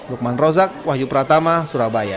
lukman rozak wahyu pratama surabaya